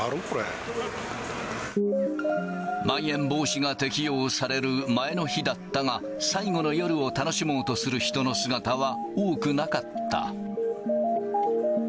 こまん延防止が適用される前の日だったが、最後の夜を楽しもうとする人の姿は多くなかった。